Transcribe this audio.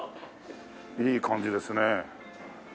いい感じですね。